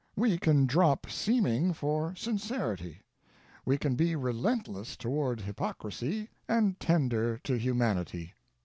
We can drop seeming for sincerity. We can be relentless toward hypocrisy and tender to humanity.